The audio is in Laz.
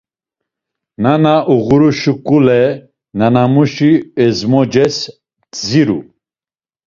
Nana uğuru şuǩale, nanamuşi ezmoces dziru.